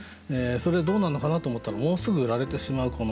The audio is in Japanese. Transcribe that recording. それでどうなんのかなと思ったら「もうすぐ売られてしまうこの家」ってね。